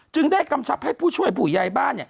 ได้กำชับให้ผู้ช่วยผู้ใหญ่บ้าน